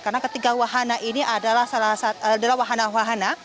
karena ketiga wahana ini adalah salah satu adalah wahana wahana